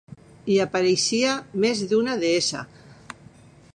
Hi apareixia més d'una deessa?